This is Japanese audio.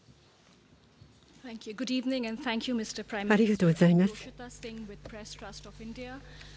ありがとうございます。